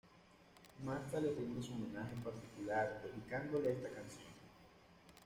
Marta le rinde su homenaje particular dedicándole esta canción.